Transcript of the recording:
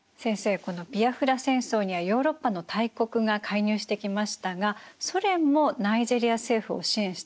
このビアフラ戦争にはヨーロッパの大国が介入してきましたがソ連もナイジェリア政府を支援したんですよね。